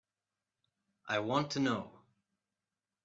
I want to know.